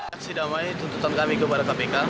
aksi damai tuntutan kami kepada kpk